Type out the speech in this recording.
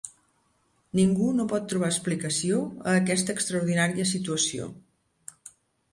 Ningú no pot trobar explicació a aquesta extraordinària situació.